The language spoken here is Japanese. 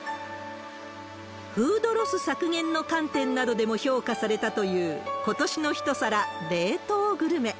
フードロス削減の観点などでも評価されたという、今年の一皿、冷凍グルメ。